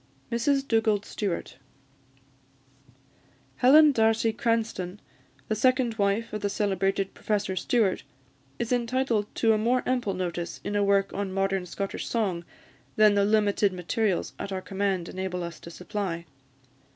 MRS DUGALD STEWART. Helen D'Arcy Cranstoun, the second wife of the celebrated Professor Stewart, is entitled to a more ample notice in a work on Modern Scottish Song than the limited materials at our command enable us to supply.